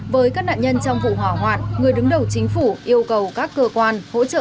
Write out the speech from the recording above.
với các nạn nhân trong vụ hỏa hoạt người đứng đầu chính phủ yêu cầu các cơ quan hỗ trợ